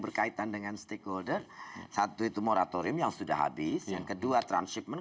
berkaitan dengan stakeholder satu itu moratorium yang sudah habis yang kedua transhipment